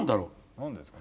何ですかね？